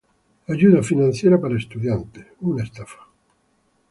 Ayuda financiera para estudiantes